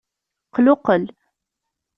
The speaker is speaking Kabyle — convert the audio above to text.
Qluqqel.